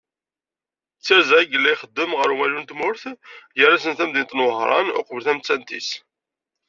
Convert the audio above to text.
D tirza i yella ixeddem ɣer umalu n tmurt, gar-asen tamdint n Wehran uqbel tamettant-is.